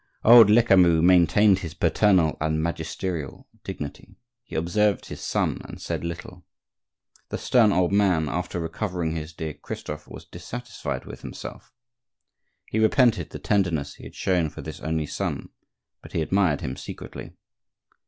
Old Lecamus maintained his paternal and magisterial dignity; he observed his son and said little. The stern old man, after recovering his dear Christophe, was dissatisfied with himself; he repented the tenderness he had shown for this only son; but he admired him secretly.